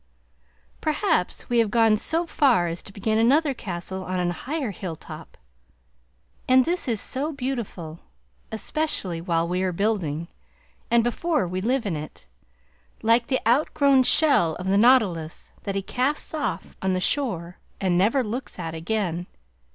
Perhaps we have gone so far as to begin another castle on a higher hilltop, and this is so beautiful, especially while we are building, and before we live in it! that the first one has quite vanished from sight and mind, like the outgrown shell of the nautilus that he casts off on the shore and never looks at again.